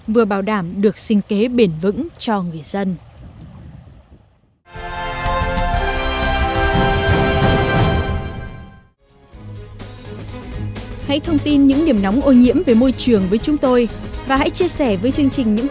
vừa bảo đảm được sinh kế bền vững cho người dân